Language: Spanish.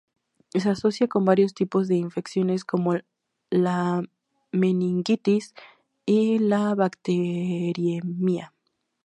Se asocia con varios tipos de infecciones como la meningitis y la bacteriemia.